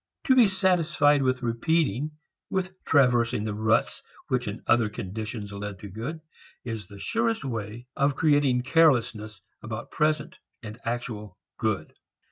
To be satisfied with repeating, with traversing the ruts which in other conditions led to good, is the surest way of creating carelessness about present and actual good.